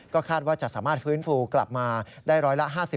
คาดว่าจะสามารถฟื้นฟูกลับมาได้ร้อยละ๕๐